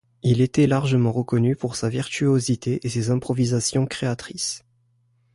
Il était largement reconnu pour sa virtuosité et ses improvisations créatrices.